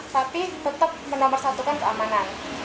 tapi tetap menamarsatukan keamanan